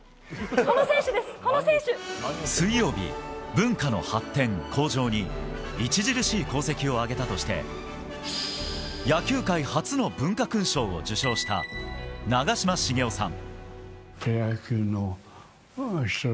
水曜、文化の発展・向上に著しい功績を挙げたとして野球界初の文化勲章を受章した長嶋茂雄さん。